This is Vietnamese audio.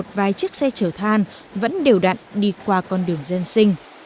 một vài chiếc xe chở than vẫn đều đặn đi qua con đường dân sinh